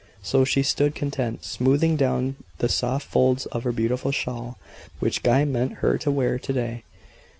So she stood content, smoothing down the soft folds of her beautiful shawl, which Guy meant her to wear to day.